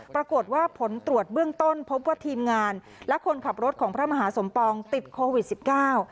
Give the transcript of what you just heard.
ปรากฏว่าผลตรวจเบื้องต้นพบว่าทีมงานและคนขับรถของพระมหาสมปองติดโควิดสิบเก้า